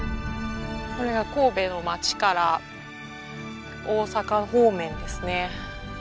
これが神戸の街から大阪方面ですね。